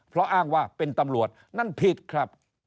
เพราะอ้างว่าเป็นตำรวจนั่นผิดครับ